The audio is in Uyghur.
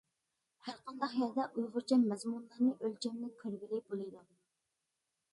ھەرقانداق يەردە ئۇيغۇرچە مەزمۇنلارنى ئۆلچەملىك كۆرگىلى بولىدۇ.